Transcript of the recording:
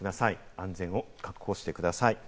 安全を確保してください。